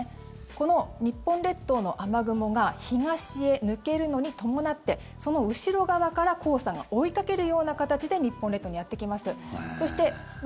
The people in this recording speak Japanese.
この日本列島の雨雲が東へ抜けるのに伴ってその後ろ側から黄砂が追いかけるような形で日本列島にやってきます。